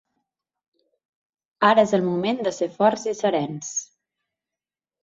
Ara és el moment de ser forts i serens.